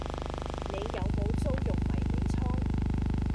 你有冇租用迷你倉？